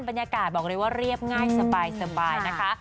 บรรยากาศบอกเลยว่าเรียบง่ายสบายนะคะ